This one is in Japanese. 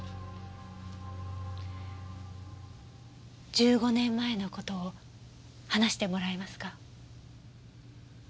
１５年前の事を話してもらえますか？